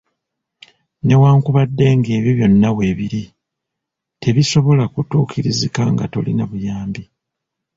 Newankubadde nga ebyo byonna weebiri, tebisobola kutuukirizika nga tolina buyambi.